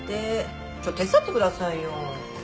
ちょっと手伝ってくださいよ。